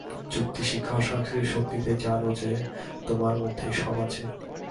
যুক্তি, শিক্ষা ও সংস্কৃতির শক্তিতে জান যে, তোমার মধ্যেই সব আছে।